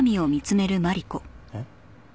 えっ？